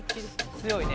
強いね。